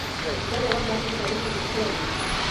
پکتیکا د افغان تاریخ په کتابونو کې ذکر شوی دي.